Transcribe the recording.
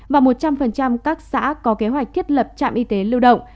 và một trăm linh các xã có kế hoạch thiết lập trạm y tế lưu động